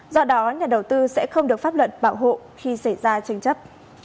do đó nhà đầu tư sẽ không được pháp luật bảo hộ khi xảy ra tranh chấp